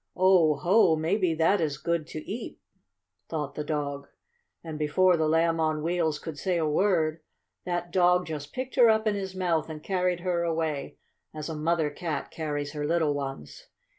"Oh, ho! Maybe that is good to eat!" thought the dog. And before the Lamb on Wheels could say a word, that dog just picked her up in his mouth and carried her away as a mother cat carries her little ones.